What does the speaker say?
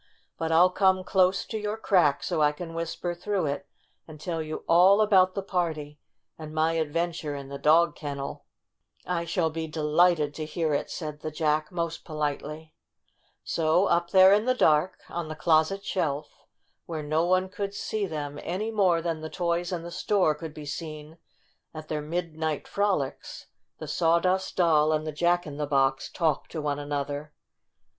4 4 But I'll come close to your crack so I can whis per through it, and tell you all about the IN THE RAG BAG 81 party and my adventure in the dog ken nel" "I shall be delighted to hear it," said the Jack, most politely. So up there in the dark, on the closet shelf, where no one could see them any more than the toys in the store could be seen at their midnight frolics, the Sawdust Doll and the Jack in the Box talked to one another.